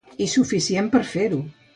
I suficient per fer-ho.